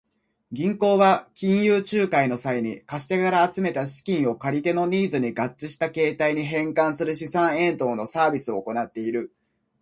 銀行は金融仲介の際に、貸し手から集めた資金を借り手のニーズに合致した形態に変換する資産変換のサービスを行っている。